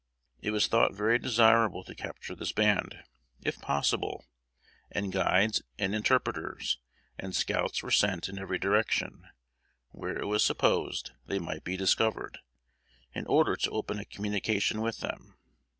It was thought very desirable to capture this band, if possible; and guides, and interpreters, and scouts were sent in every direction, where it was supposed they might be discovered, in order to open a communication with them.